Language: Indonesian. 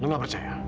lu gak percaya